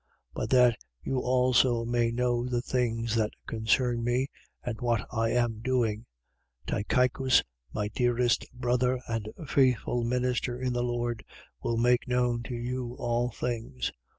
6:21. But that you also may know the things that concern me and what I am doing, Tychicus, my dearest brother and faithful minister in the Lord, will make known to you all things: 6:22.